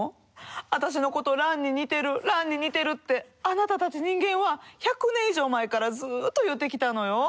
私のことランに似てるランに似てるってあなたたち人間は１００年以上前からずっと言うてきたのよ。